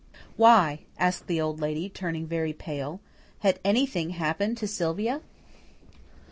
"Why?" asked the Old Lady, turning very pale. Had anything happened to Sylvia?